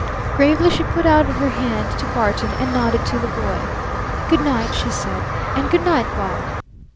Gravely she put out her hand to Barton, and nodded to the boy. "Good night!" she said. "And good night, Bob!"